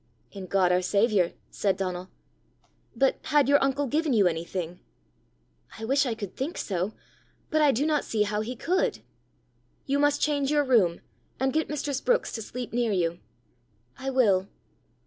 "In God our saviour," said Donal. " But had your uncle given you anything?" "I wish I could think so; but I do not see how he could." "You must change your room, and get mistress Brookes to sleep near you." "I will."